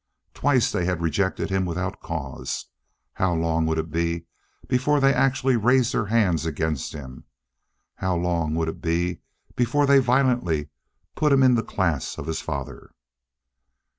Twice they had rejected him without cause. How long would it be before they actually raised their hands against him? How long would it be before they violently put him in the class of his father?